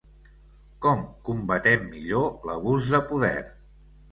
Com combatem millor l’abús de poder?